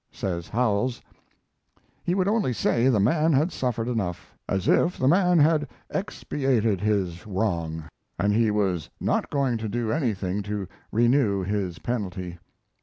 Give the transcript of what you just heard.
Says Howells: He would only say the man had suffered enough; as if the man had expiated his wrong, and he was not going to do anything to renew his penalty.